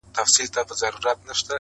بيا دې د سندرو سره پښه وهمه!